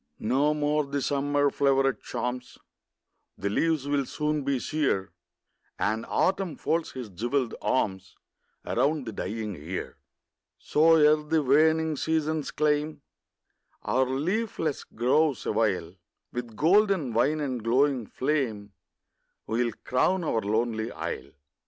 No more the summer floweret charms, The leaves will soon be sere, And Autumn folds his jewelled arms Around the dying year; So, ere the waning seasons claim Our leafless groves awhile, With golden wine and glowing flame We 'll crown our lonely isle.